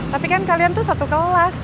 tapi kan kalian tuh satu kelas